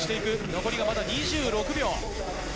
残りまだ２６秒。